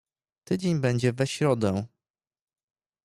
"Tydzień będzie we środę..."